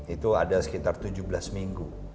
itu ada sekitar tujuh belas minggu